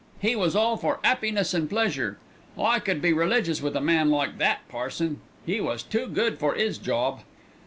He was all for 'appiness and pleasure. I could be religious with a man like that parson. He was too good for 'is job.